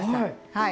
はい。